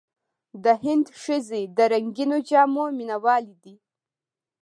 د هند ښځې د رنګینو جامو مینهوالې دي.